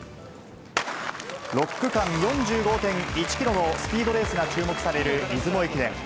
６区間４５．１キロのスピードレースが注目される出雲駅伝。